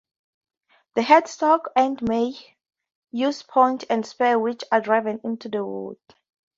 The headstock end may use points or spurs which are driven into the wood.